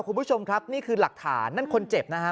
คุณผู้ชมครับนี่คือหลักฐานนั่นคนเจ็บนะฮะ